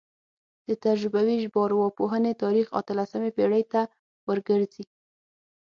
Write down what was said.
د تجربوي ژبارواپوهنې تاریخ اتلسمې پیړۍ ته ورګرځي